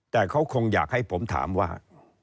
แต่เขาคงอยากให้ผมถามว่า